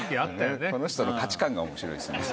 この人の価値観が面白いですね。